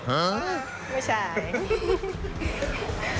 ไม่ใช่